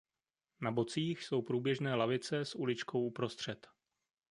Na bocích jsou průběžné lavice s uličkou uprostřed.